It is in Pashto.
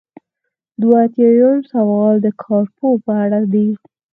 دوه ایاتیام سوال د کارپوه په اړه دی.